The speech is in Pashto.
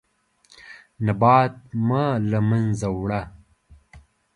نبات مه له منځه وړه.